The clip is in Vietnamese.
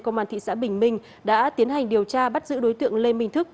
công an thị xã bình minh đã tiến hành điều tra bắt giữ đối tượng lê minh thức